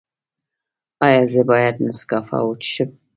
ایا زه باید نسکافه وڅښم؟